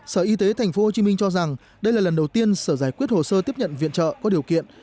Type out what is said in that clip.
sở y tế tp hcm cho rằng đây là lần đầu tiên sở giải quyết hồ sơ tiếp nhận viện trợ có điều kiện